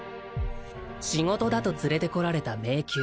仕事だと連れてこられた迷宮